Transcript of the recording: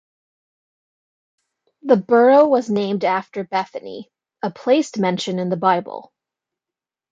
The borough was named after Bethany, a place mentioned in the Bible.